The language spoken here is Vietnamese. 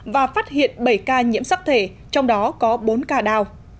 và phát hiện bảy ca nhiễm sắc thể trong đó có bốn ca đào